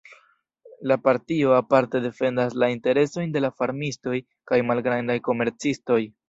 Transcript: La partio aparte defendas la interesojn de la farmistoj kaj malgrandaj komercistoj.